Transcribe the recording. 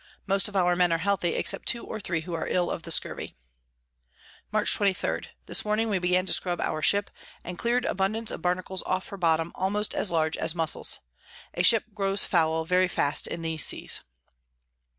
Most of our Men are healthy, except two or three who are ill of the Scurvey. Mar. 23. This Morning we began to scrub our Ship, and clear'd abundance of Barnacles off her Bottom, almost as large as Muscles. A Ship grows foul very fast in these Seas.